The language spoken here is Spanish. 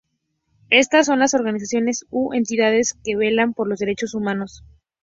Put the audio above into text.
Estas son las organizaciones u entidades que velan por los derechos humanos.